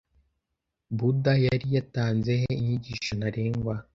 Buda yari yatanze he inyigisho ntarengwa